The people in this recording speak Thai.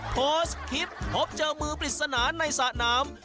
โพสต์คลิปพบเจอมือปริศนาในสระน้ำ